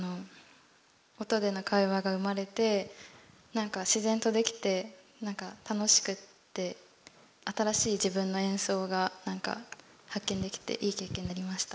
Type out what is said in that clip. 音での会話が生まれてなんか自然とできてなんか楽しくって新しい自分の演奏がなんか発見できていい経験になりました。